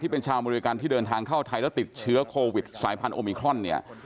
เป็นชาวอเมริกันที่เดินทางเข้าไทยแล้วติดเชื้อโควิดสายพันธุมิครอนเนี่ย